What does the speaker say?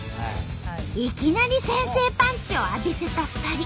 いきなり先制パンチを浴びせた２人。